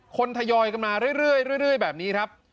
คนทยอยมาเรื่อยแบบนี้ครับ